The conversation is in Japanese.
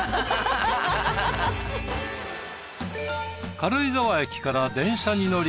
軽井沢駅から電車に乗り